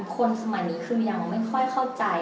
คนสมัยนี้คือยังไม่ค่อยเข้าใจ